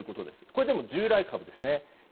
これ、でも従来株ですね。